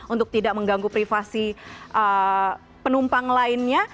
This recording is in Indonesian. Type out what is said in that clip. untuk tidak mengganggu privasi penumpang lainnya